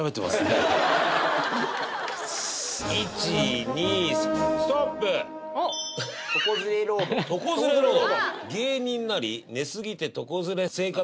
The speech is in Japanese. １２３「ストップ」「床ずれロード」「床ずれロード」